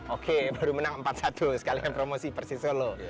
oke baru menang empat satu sekalian promosi persis solo